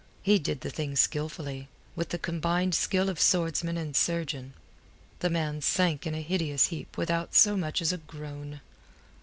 He did the thing skilfully: with the combined skill of swordsman and surgeon. The man sank in a hideous heap without so much as a groan.